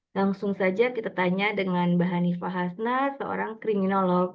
langsung saja kita tanya dengan mbak hanifah hasna seorang kriminolog